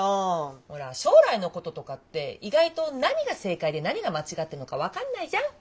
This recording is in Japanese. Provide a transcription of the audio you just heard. ほら将来のこととかって意外と何が正解で何が間違ってんのか分かんないじゃん。